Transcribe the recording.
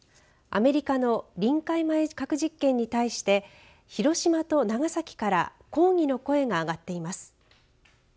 アメリカの臨界前核実験に対して広島と長崎から抗議の声が上がっています。